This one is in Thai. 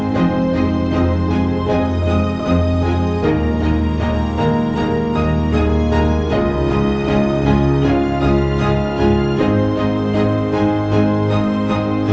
ให้แกพระเจ้าอยู่กัน